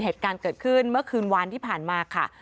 เหตุการณ์เกิดขึ้นเมื่อคืนวันที่ผ่านมาค่ะ